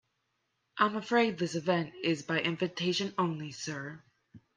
I'm afraid this event is by invitation only, sir.